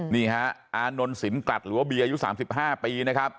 นี่ฮะอานนท์สินกลัดหรือว่าบีอายุสามสิบห้าปีนะครับ